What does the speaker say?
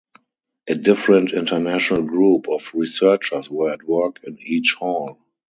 A different international group of researchers were at work in each hall.